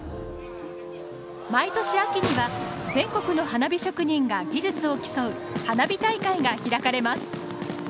毎年秋には、全国の花火職人が技術を競う花火大会が開かれます。